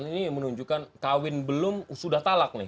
ini menunjukkan kawin belum sudah talak nih